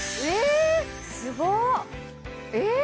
えすごい！